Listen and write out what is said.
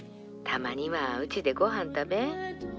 たまにはうちでごはん食べ。